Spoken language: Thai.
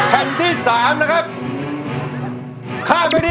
ฆ่าฆ่าฆ่าฆ่าฆ่า